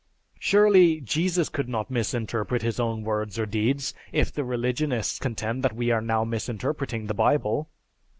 Surely, Jesus could not misinterpret his own words or deeds, if the religionists contend that we are now misinterpreting the Bible?